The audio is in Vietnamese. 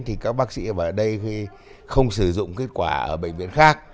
thì các bác sĩ ở đây huy không sử dụng kết quả ở bệnh viện khác